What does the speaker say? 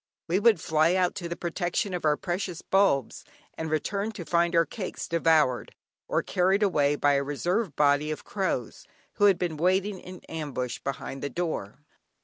We would fly out to the protection of our precious bulbs, and return to find our cakes devoured or carried away, by a reserve body of crows, who had been waiting in ambush behind the door.